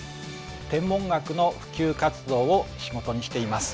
天文学の普及活動を仕事にしています。